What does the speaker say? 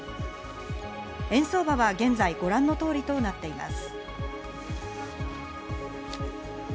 円相場は現在ご覧の通りとなっています。